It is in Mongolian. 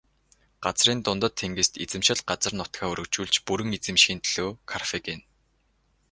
Газрын дундад тэнгист эзэмшил газар нутгаа өргөжүүлж бүрэн эзэмшихийн төлөө Карфаген.